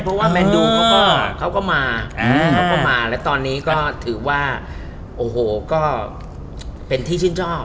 เพราะว่าแมนดูเขาก็เขาก็มาเขาก็มาและตอนนี้ก็ถือว่าโอ้โหก็เป็นที่ชื่นชอบ